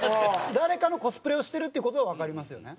誰かのコスプレをしてるっていう事はわかりますよね？